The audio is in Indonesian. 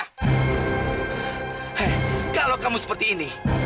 hei kalau kamu seperti ini